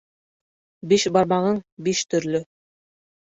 Биш бармағың биш төрлө.